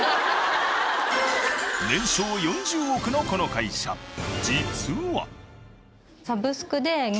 年商４０億のこの会社実は。